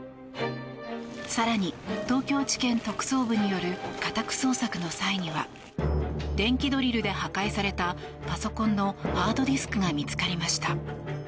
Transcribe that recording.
更に、東京地検特捜部による家宅捜索の際には電気ドリルで破壊されたパソコンのハードディスクが見つかりました。